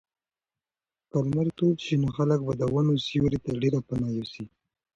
که لمر تود شي نو خلک به د ونو سیوري ته ډېر پناه یوسي.